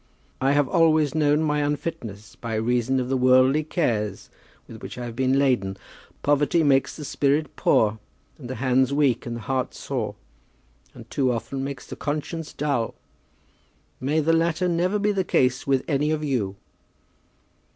I have always known my own unfitness, by reason of the worldly cares with which I have been laden. Poverty makes the spirit poor, and the hands weak, and the heart sore, and too often makes the conscience dull. May the latter never be the case with any of you."